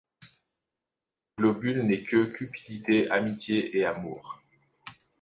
Globule n'est que cupidité, amitié, et amour.